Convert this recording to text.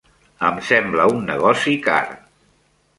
Em sembla un negoci car.